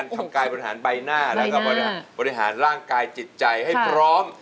ทำการบริหารใบหน้าแล้วก็บริหารร่างกายจิตใจให้พร้อม